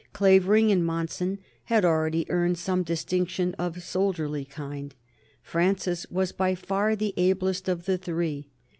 Clavering and Monson had already earned some distinction of a soldierly kind; Francis was by far the ablest of the three.